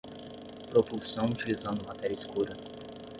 Propulsão utilizando matéria escura